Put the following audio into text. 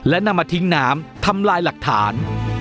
และนำมาทิ้งน้ำทำลายหลักฐาน